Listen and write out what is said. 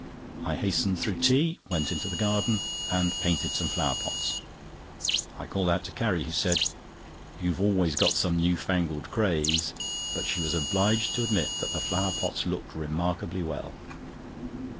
I hastened through tea, went into the garden and painted some flower pots. I called out Carrie, who said: "You've always got some newfangled craze;" but she was obliged to admit that the flower pots looked remarkably well.